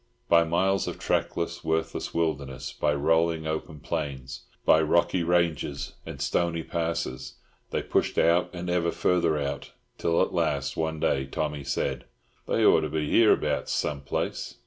By miles of trackless, worthless wilderness, by rolling open plains, by rocky ranges and stony passes, they pushed out and ever further out, till at last, one day, Tommy said, "They ought to be hereabouts, some place."